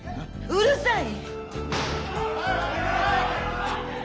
うるさい！